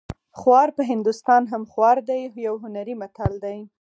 خوار په هندوستان هم خوار دی یو هنري متل دی